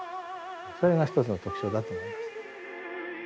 それが一つの特徴だと思います。